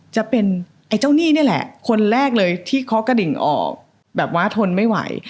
จะเป็นไอ้เจ้าหนี้นี่แหละคนแรกเลยที่เคาะกระดิ่งออกแบบว่าทนไม่ไหว